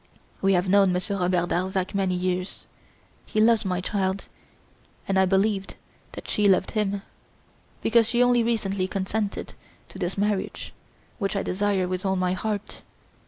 We have known Monsieur Robert Darzac many years. He loves my child; and I believed that she loved him; because she only recently consented to this marriage which I desire with all my heart.